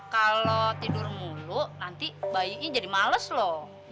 kalau tidur mulu nanti bayinya jadi males loh